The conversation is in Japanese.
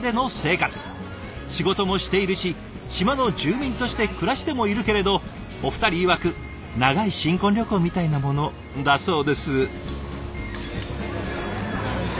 仕事もしているし島の住民として暮らしてもいるけれどお二人いわく「長い新婚旅行みたいなもの」だそうです。